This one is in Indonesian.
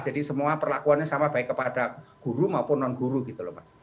jadi semua perlakuannya sama baik kepada guru maupun non guru gitu loh mas